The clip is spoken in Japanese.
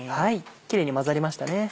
キレイに混ざりましたね。